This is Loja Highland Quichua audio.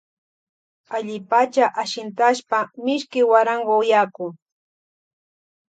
Allipacha ashintashpa mishki guarango yaku.